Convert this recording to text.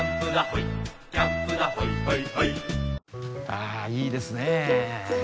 あいいですね。